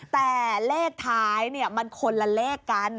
แต่เลขท้ายมันคนละเลขกัน